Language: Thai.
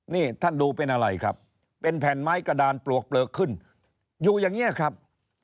นี่ท่านดูเป็นอะไรครับเป็นแผ่นไม้กระดานปลวกเปลือกขึ้นอยู่อย่างนี้ครับ